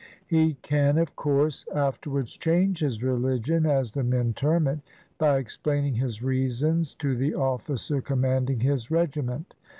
He can, of course, afterwards "change his religion," as the men term it, by explaining his reasons to the ofl&cer commanding his regiment.